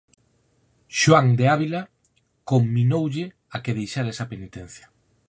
Xoán de Ávila conminoulle a que deixara esa penitencia.